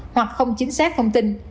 hoặc không chính xác thông tin